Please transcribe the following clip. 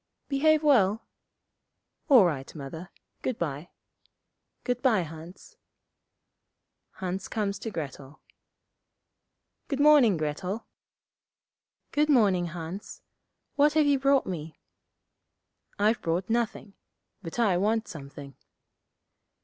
'Behave well.' 'All right, Mother. Good bye.' 'Good bye, Hans.' Hans comes to Grettel. 'Good morning, Grettel.' 'Good morning, Hans. What have you brought me?' 'I've brought nothing. But I want something.'